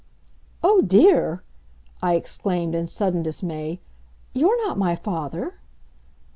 "Oh, dear!" I exclaimed in sudden dismay. "You're not my father."